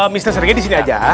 mr sergei disini aja